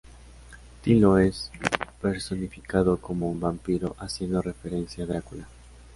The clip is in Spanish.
Tilo es personificado como un vampiro, haciendo referencia a Drácula.